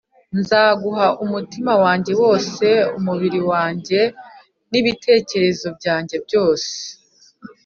nzaguha umutima wanjye wose, umubiri wanjye, n’ibitekerezo byanjye byose